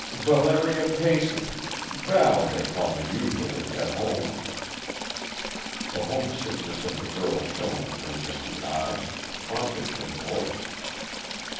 "Valeria Peyson Val, they call me usually, at home." The homesickness of the girl shone in her misty eyes, haunted her voice.